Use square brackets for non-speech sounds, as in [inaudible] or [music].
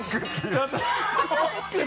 ちょっと [laughs]